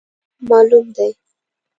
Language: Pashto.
معلول دی.